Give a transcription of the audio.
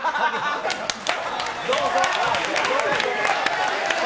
どうぞ。